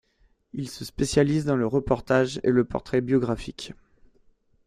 Il se spécialise dans le reportage et le portrait biographique.